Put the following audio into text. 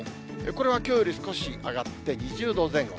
これはきょうより少し上がって２０度前後。